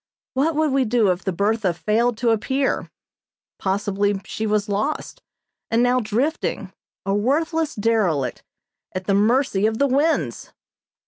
What would we do if the Bertha failed to appear? Possibly she was lost, and now drifting, a worthless derelict, at the mercy of the winds!